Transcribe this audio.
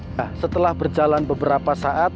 nah setelah berjalan beberapa saat